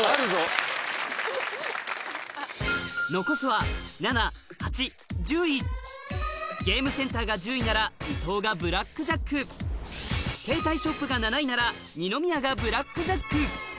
残すは７８１０位ゲームセンターが１０位なら伊藤がブラックジャック携帯ショップが７位なら二宮がブラックジャック